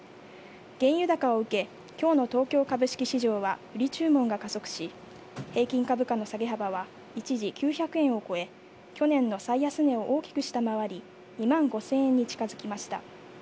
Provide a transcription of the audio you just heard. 原油高を受け、きょうの東京株式市場は売り注文が加速し、平均株価の下げ幅は一時９００円を超え、去年の最安値を大きく下回り、２万５０００円に近づきました。